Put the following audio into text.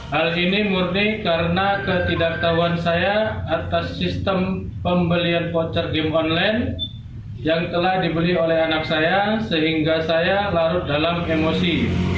hal ini murni karena ketidaktahuan saya atas sistem pembelian voucher game online yang telah dibeli oleh anak saya sehingga saya larut dalam emosi